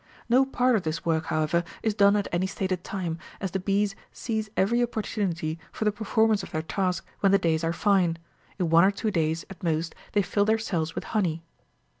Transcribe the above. No part of this work, however, is done at any stated time, as the bees seize every opportunity for the perform ance of their task when the days are fine ; in one or two days, at most, they fill their cells with honey.